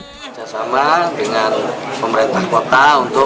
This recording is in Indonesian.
bersama dengan pemerintah kota untuk membantu